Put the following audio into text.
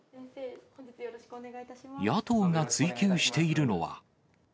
野党が追及しているのは。